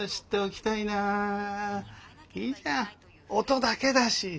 音だけだし。